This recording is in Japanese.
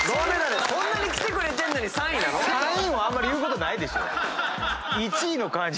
そんなに来てくれてるのに３位⁉３位をあまり言うことないでしょ。